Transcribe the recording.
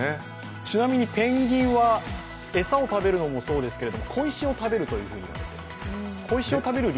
ちなみにペンギンは餌を食べるのもそうですけれども、小石を食べると言われています。